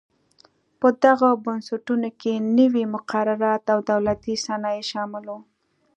په دغو بنسټونو کې نوي مقررات او دولتي صنایع شامل و.